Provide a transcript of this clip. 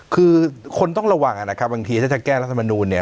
คือคนต้องระวังนะครับบางทีถ้าจะแก้รัฐมนูลเนี่ย